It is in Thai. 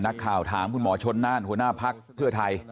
นักข่าวถามคุณหมอชนน่านหัวหน้าพักเพื่อไทย